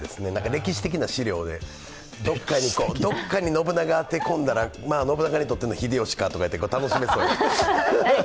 歴史的な資料で、どこかに信長を当て込んだら、信長にとっての秀吉かとか、楽しめそう。